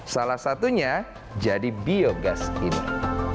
salah satunya jadi biogas ini